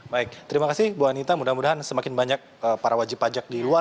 baik terima kasih bu anita mudah mudahan semakin banyak para wajib pajak di luar